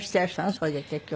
それで結局は。